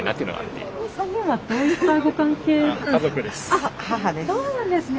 あっそうなんですね。